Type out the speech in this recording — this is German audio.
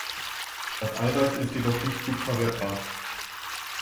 Das Eiweiß ist jedoch nicht gut verwertbar.